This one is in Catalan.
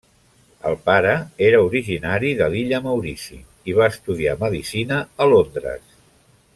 El pare era originari de l'illa Maurici i va estudiar medicina a Londres.